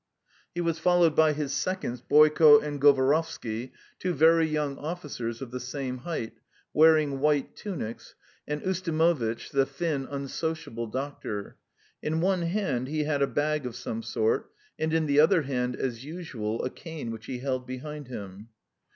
He was followed by his seconds, Boyko and Govorovsky, two very young officers of the same height, wearing white tunics, and Ustimovitch, the thin, unsociable doctor; in one hand he had a bag of some sort, and in the other hand, as usual, a cane which he held behind him.